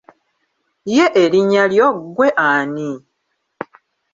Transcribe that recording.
Ye erinnya lyo ggwe ani?